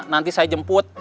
nanti saya jemput